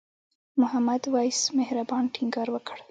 محمد وېس مهربان ټینګار وکړ.